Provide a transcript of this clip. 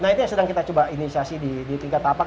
nah itu yang sedang kita coba inisiasi di tingkat tapak